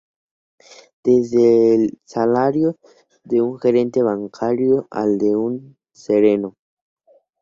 Desde el salario de un gerente bancario al de un sereno.